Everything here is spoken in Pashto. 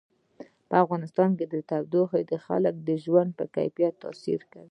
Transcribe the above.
په افغانستان کې تودوخه د خلکو د ژوند په کیفیت تاثیر کوي.